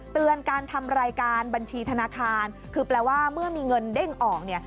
เตือนการทำรายการบัญชีธนาคารคือแปลว่าเมื่อมีเงินเด้งออกเนี่ย